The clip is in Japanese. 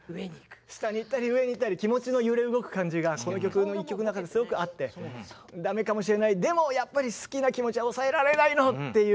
下にいったり上にいったり気持ちの揺れ動く感じがこの曲の１曲の中ですごくあってだめかもしれないでも、やっぱり好きな気持ちは抑えられないのっていう。